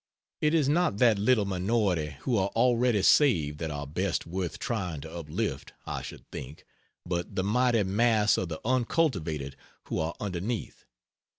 It is not that little minority who are already saved that are best worth trying to uplift, I should think, but the mighty mass of the uncultivated who are underneath.